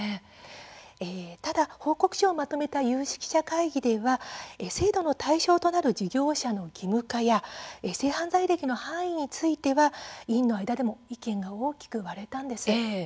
報告書をまとめた有識者会議では制度の対象となる事業者の義務化や性犯罪歴の範囲については委員の間でも意見が大きく割れたんです。